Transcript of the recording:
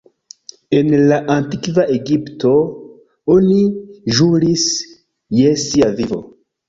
En la antikva Egipto, oni ĵuris je sia vivo.